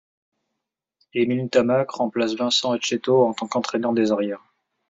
Émile Ntamack remplace Vincent Etcheto en tant qu'entraîneur des arrières.